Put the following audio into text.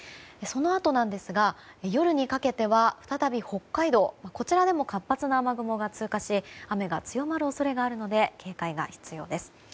そのあとですが夜にかけては再び北海道でも活発な雨雲が通過し雨が強まる恐れがあるので警戒が必要です。